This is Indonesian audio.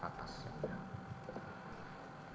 kemudian setelah itu saya berpikir